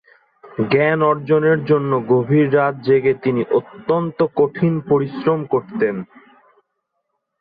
জ্ঞান অর্জনের জন্য গভীর রাত জেগে তিনি অত্যন্ত কঠিন পরিশ্রম করতেন।